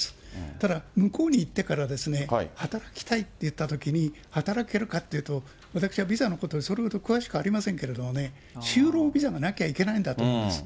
ただ、向こうに行ってから、働きたいっていったときに、働けるかっていうと、私はビザのことそれほど詳しくありませんけれどもね、就労ビザがなきゃいけないんだと思うんです。